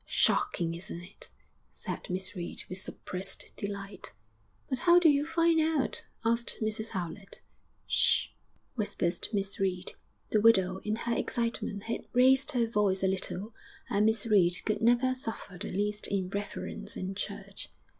'Shocking! isn't it?' said Miss Reed, with suppressed delight. 'But how did you find out?' asked Mrs Howlett. 'Ssh!' whispered Miss Reed the widow, in her excitement, had raised her voice a little and Miss Reed could never suffer the least irreverence in church....